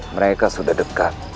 mereka sudah dekat